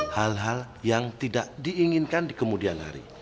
hal hal yang tidak diinginkan di kemudian hari